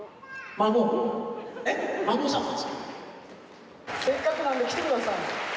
孫さんたちせっかくなんで来てください